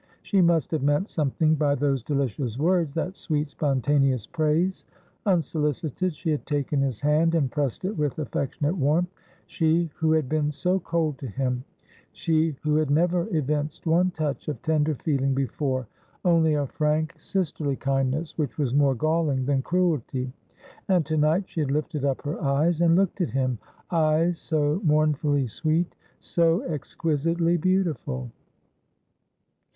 She must have meant something by those delicious words, that sweet spontaneous praise. Un solicited she had taken his hand and pressed it with affectionate warmth — she who had been so cold to him — she who had never evinced one touch of tender feeling before ; only a frank, sisterly kindness, which was more galling than cruelty. And to night she had lifted up her eyes and looked at him— eyes so mourn fully sweet, so exquisitely beautiful.